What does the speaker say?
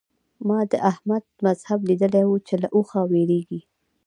ما د احمد مذهب ليدلی وو چې له اوخه وېرېږي.